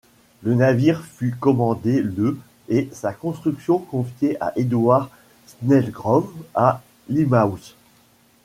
Le navire fut commandé le et sa construction confiée à Edward Snelgrove à Limehouse.